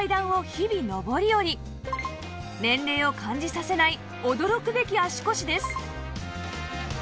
この年齢を感じさせない驚くべき足腰です